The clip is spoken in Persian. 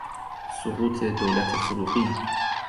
سقوط دولت فروغی